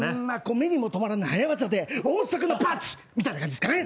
目にもとまらぬ早業で大阪のパンチ！みたいな感じっすかね。